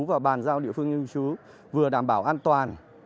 và bàn giao địa phương cư chú vừa đảm bảo an toàn